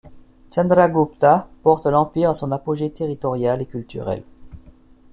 Chandragupta porte l'empire à son apogée territorial et culturel.